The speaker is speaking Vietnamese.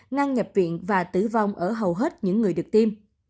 ngang nhập viện và tử vong ở hầu hết những người được tiêm